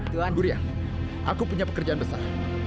tuan gurian aku punya pekerjaan besar